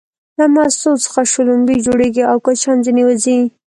له مستو څخه شلومبې جوړيږي او کوچ هم ځنې وځي